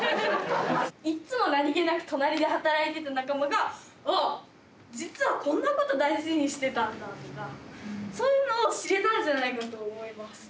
いっつも何気なく隣で働いてた仲間があっ実はこんなこと大事にしてたんだとかそういうのを知れたんじゃないかと思います。